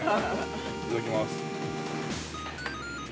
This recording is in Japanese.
◆いただきます。